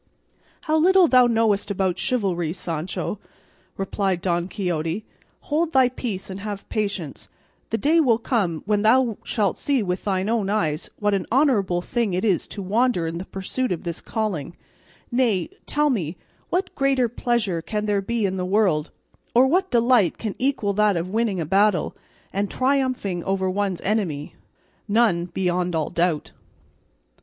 "How little thou knowest about chivalry, Sancho," replied Don Quixote; "hold thy peace and have patience; the day will come when thou shalt see with thine own eyes what an honourable thing it is to wander in the pursuit of this calling; nay, tell me, what greater pleasure can there be in the world, or what delight can equal that of winning a battle, and triumphing over one's enemy? None, beyond all doubt."